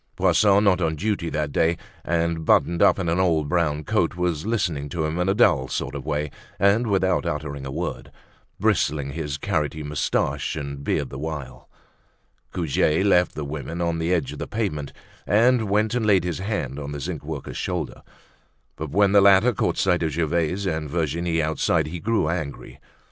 Poisson, not on duty that day and buttoned up in an old brown coat, was listening to him in a dull sort of way and without uttering a word, bristling his carroty moustaches and beard the while. Goujet left the women on the edge of the pavement, and went and laid his hand on the zinc worker's shoulder. But when the latter caught sight of Gervaise and Virginie outside he grew angry.